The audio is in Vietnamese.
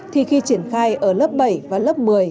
thì khi triển khai ở lớp bảy và lớp một mươi